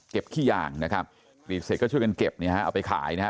ขี้ยางนะครับกรีดเสร็จก็ช่วยกันเก็บเนี่ยฮะเอาไปขายนะฮะ